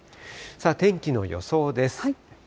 天気の予想です。